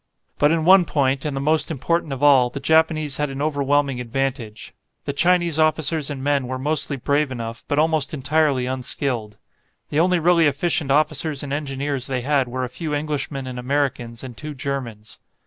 But in one point, and the most important of all, the Japanese had an overwhelming advantage. The Chinese officers and men were mostly brave enough, but almost entirely unskilled. The only really efficient officers and engineers they had were a few Englishmen and Americans and two Germans.